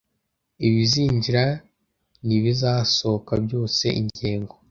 ibizinjira n ibizasohoka byose ingengo